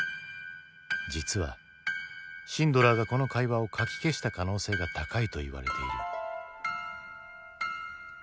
実はシンドラーがこの会話をかき消した可能性が高いといわれている。